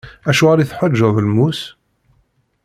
Acuɣer i teḥwaǧeḍ lmus?